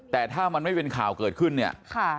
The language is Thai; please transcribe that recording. แต่ถ้ามันไม่เป็นข่าวเกิดขึ้นเนี่ย